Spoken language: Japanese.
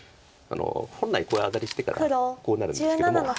本来アタリしてからこうなるんですけども。